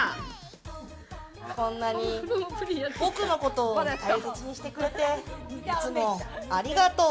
こんなに、僕のことを大切にしてくれて、いつもありがとう。